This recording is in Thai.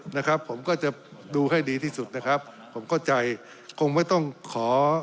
นะครับผมก็จะดูให้ดีที่สุดนะครับผมเข้าใจคงไม่ต้องขอ